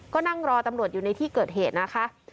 ก็นั่งรอตำรวจอยู่ในที่เกิดเหตุนะคะ